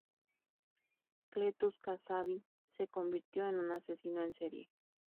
Cletus Kasady se convirtió en un asesino en serie.